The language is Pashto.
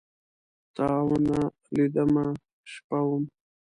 تاونه لیدمه، شپه وم